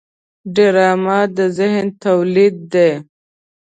ډرامه د ذهن تولید دی